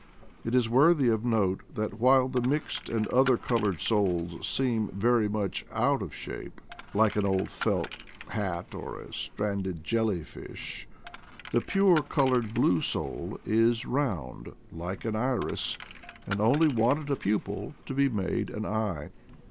It is worthy of note that while the mixed and other colored souls seem very much out of shape, like an old felt hat or a stranded jelly fish, the pure colored blue soul is round, like an iris, and only wanted a pupil to be made an eye.